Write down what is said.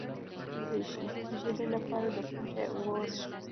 د ژیړي لپاره د کوم شي اوبه وڅښم؟